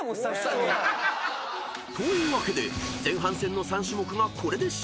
［というわけで前半戦の３種目がこれで終了］